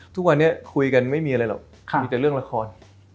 ทุกวันนี้คุยกันไม่มีอะไรหรอกมีแต่เรื่องละคร